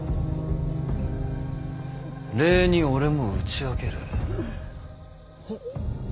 礼に俺も打ち明ける。